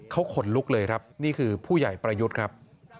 เขาขนลุกเลยครับนี่คือผู้ใหญ่ประยุทธ์ครับ